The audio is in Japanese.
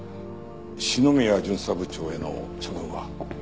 篠宮巡査部長への処分は？